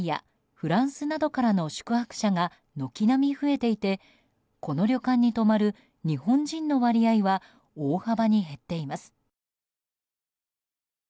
フランスなどからの宿泊者が軒並み増えていてこの旅館に泊まる日本人の割合は大幅に減っています。